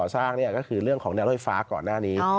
ถ้าอย่างนั้น